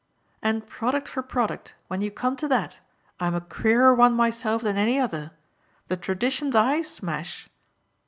"And product for product, when you come to that, I'm a queerer one myself than any other. The traditions I smash!"